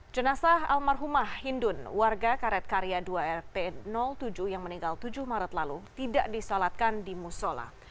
jenazah almarhumah hindun warga karet karya dua rp tujuh yang meninggal tujuh maret lalu tidak disolatkan di musola